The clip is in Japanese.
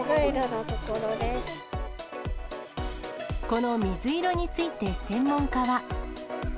この水色について、専門家は。